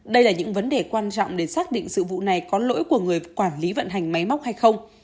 đây là những vấn đề quan trọng để xác định sự vụ này có lỗi của người quản lý vận hành máy móc hay không